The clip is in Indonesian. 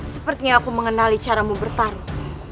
sepertinya aku mengenali caramu bertarung